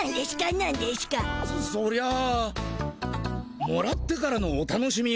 そりゃもらってからのお楽しみよ。